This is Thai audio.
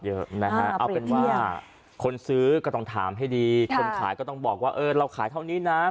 นะฮะเอาเป็นว่าคนซื้อก็ต้องถามให้ดีคนขายก็ต้องบอกว่าเออเราขายเท่านี้นะ